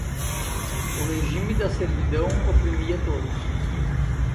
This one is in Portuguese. o regime da servidão oprimia todos